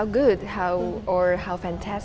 bagaimana luar biasa